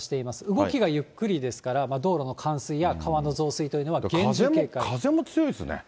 動きがゆっくりですから、道路の冠水や川の増水というのは厳重警風も強いですね。